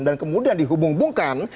dan kemudian dihubung hubungkan